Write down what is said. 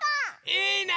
いいね！